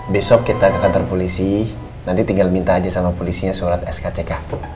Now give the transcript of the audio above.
besok kita ke kantor polisi nanti tinggal minta aja sama polisinya surat skck